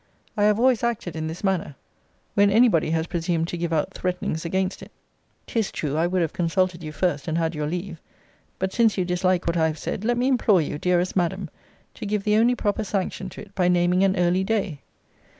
I have always acted in this manner, when any body has presumed to give out threatenings against it. 'Tis true I would have consulted you first, and had your leave. But since you dislike what I have said, let me implore you, dearest Madam, to give the only proper sanction to it, by naming an early day.